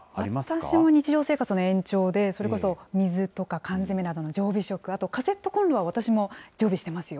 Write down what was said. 私も日常生活の延長で、それこそ水とか缶詰などの常備食、それこそ、カセットこんろは私も常備してますよ。